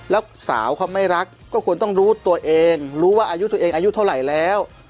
แล้วสาวเขาไม่รักก็ควรต้องรู้ตัวเองรู้ว่าอายุตัวเองอายุเท่าไหร่แล้ว